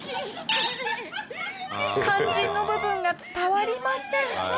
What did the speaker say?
肝心の部分が伝わりません。